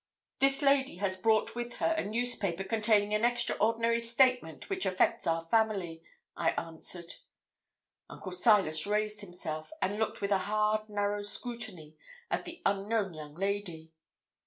'This lady has brought with her a newspaper containing an extraordinary statement which affects our family,' I answered. Uncle Silas raised himself, and looked with a hard, narrow scrutiny at the unknown young lady.